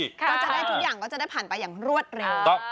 ก็จะได้ทุกอย่างก็จะได้ผ่านไปอย่างรวดเร็ว